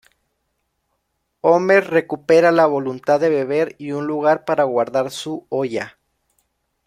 Homer recupera la voluntad de beber y un lugar para guardar su olla.